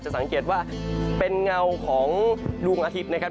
สังเกตว่าเป็นเงาของดวงอาทิตย์นะครับ